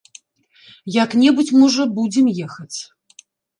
Як-небудзь, можа, будзем ехаць.